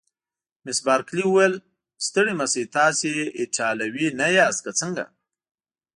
مس بارکلي وویل: ستړي مه شئ، تاسي ایټالوي نه یاست که څنګه؟